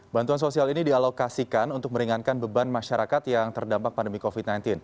bantuan sosial ini dialokasikan untuk meringankan beban masyarakat yang terdampak pandemi covid sembilan belas